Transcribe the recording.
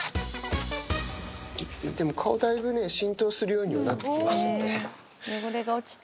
でも顔だいぶね、浸透するようにはなってきました。